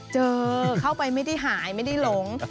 เจอเข้าไปไม่ได้หายไม่ได้หลง